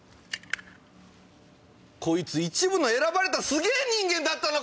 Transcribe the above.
こいつ一部の選ばれたすげぇ人間だったのか！